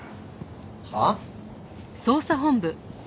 はあ？